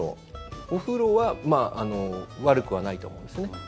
お風呂は悪くはないと思うんですね。